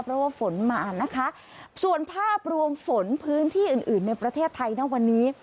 เพราะว่าฝนมานะคะส่วนภาพรวมฝนพื้นที่อื่นอื่นในประเทศไทยนะวันนี้